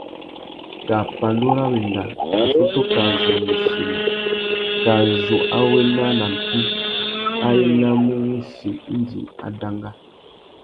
Kā pandú râ wenda, assôtô kā zu mù sema, kā zu a wena nà mpí, a enamú wussi indi a danga.